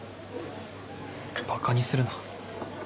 バカにするな。